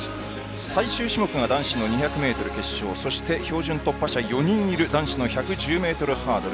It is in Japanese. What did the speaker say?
最終種目は男子の２００ｍ決勝そして標準突破者４人の男子１１０ｍハードル。